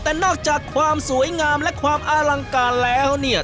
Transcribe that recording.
แต่นอกจากความสวยงามและความอลังการแล้วเนี่ย